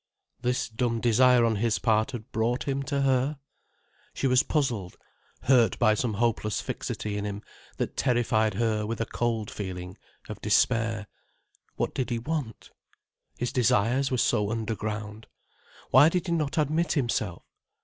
This dumb desire on his part had brought him to her? She was puzzled, hurt by some hopeless fixity in him, that terrified her with a cold feeling of despair. What did he want? His desires were so underground. Why did he not admit himself?